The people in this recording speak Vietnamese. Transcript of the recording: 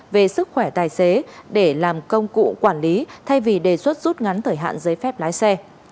về sức khỏe tài xế để làm công cụ quản lý thay vì đề xuất rút ngắn thời hạn giấy phép lái xe